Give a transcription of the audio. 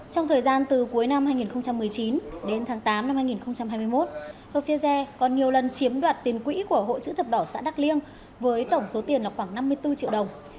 trong thời gian từ cuối năm hai nghìn một mươi chín đến tháng tám năm hai nghìn hai mươi một ofiel còn nhiều lần chiếm đoạt tiền quỹ của hội chữ thập đỏ xã đắk liêng với tổng số tiền là khoảng năm mươi bốn triệu đồng